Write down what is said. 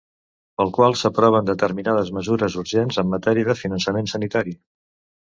Pel qual s'aproven determinades mesures urgents en matèria de finançament sanitari.